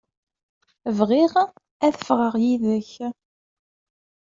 Bɣiɣ ad ffɣeɣ yid-k.